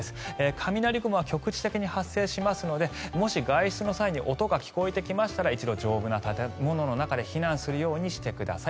雷雲は局地的に発生しますのでもし外出の際に音が聞こえてきましたら一度、丈夫な建物の中へ避難するようにしてください。